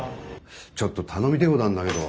ちょっと頼みてえことあんだけど。